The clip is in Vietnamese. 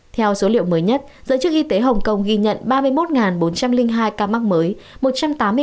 theo số liệu mới nhất giới chức y tế hồng kông ghi nhận ba mươi một bốn trăm linh hai ca mắc mới